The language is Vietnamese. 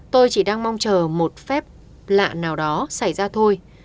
tôi chỉ đang mong chờ một phép lạ nào đó xảy ra thôi